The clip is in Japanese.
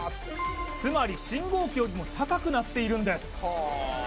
つまり信号機よりも高くなっているんです